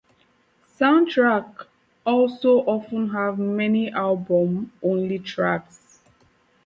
Soundtracks also often have many Album Only tracks.